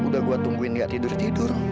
sudah saya menunggu dia tidak tidur tidur